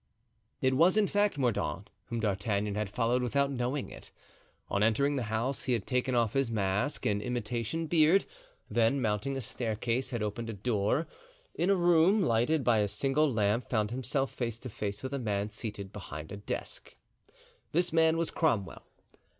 It was, in fact, Mordaunt whom D'Artagnan had followed, without knowing it. On entering the house he had taken off his mask and imitation beard, then, mounting a staircase, had opened a door, and in a room lighted by a single lamp found himself face to face with a man seated behind a desk. This man was Cromwell.